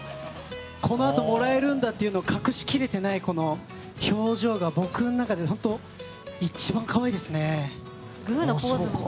このあともらえるというのを隠しきれていない表情が僕の中で本当一番可愛いですね。